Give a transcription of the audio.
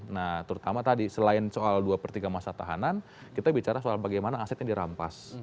nah terutama tadi selain soal dua per tiga masa tahanan kita bicara soal bagaimana asetnya dirampas